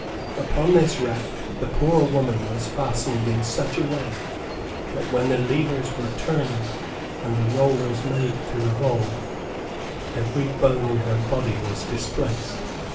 Upon this rack the poor woman was fastened in such a way, that when the levers were turned and the rollers made to revolve, every bone in her body was displaced.